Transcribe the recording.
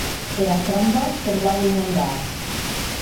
Era cramba semblaue un angar.